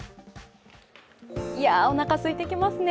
いや、おなかすいてきますね。